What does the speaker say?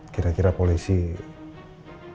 kira kira polisi akan nangis kita disini ya nino